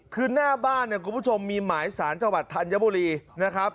คือหน้าบ้านเนี่ยคุณผู้ชมมีหมายสารจังหวัดธัญบุรีนะครับ